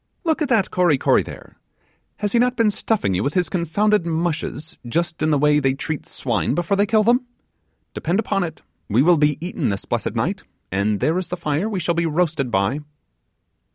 Look at that Kory Kory there! has he not been stuffing you with his confounded mushes, just in the way they treat swine before they kill them? Depend upon it, we will be eaten this blessed night, and there is the fire we shall be roasted by.